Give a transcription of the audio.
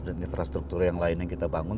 dan infrastruktur yang lain yang kita bangun